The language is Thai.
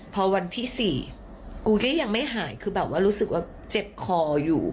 พอวันที่๔กูก็ยังไม่หายคือแบบว่ารู้สึกว่าเจ็บคออยู่